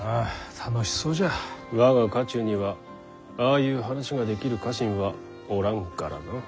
我が家中にはああいう話ができる家臣はおらんからな。